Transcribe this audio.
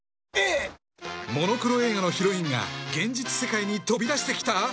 モノクロ映画のヒロインが現実世界に飛び出してきた？